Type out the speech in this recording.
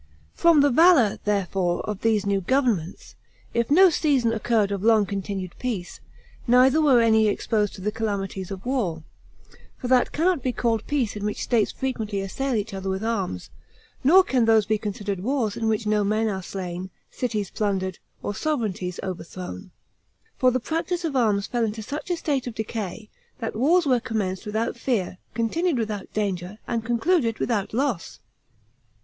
From the valor, therefore, of these new governments, if no seasons occurred of long continued peace, neither were any exposed to the calamities of war; for that cannot be called peace in which states frequently assail each other with arms, nor can those be considered wars in which no men are slain, cities plundered, or sovereignties overthrown; for the practice of arms fell into such a state of decay, that wars were commenced without fear, continued without danger, and concluded without loss.